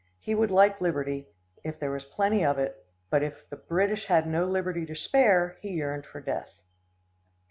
He would like liberty, if there was plenty of it; but if the British had no liberty to spare, he yearned for death.